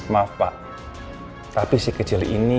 maaf pak tapi si kecil ini